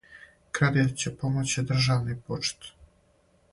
Кредит ће помоћи државни буџет.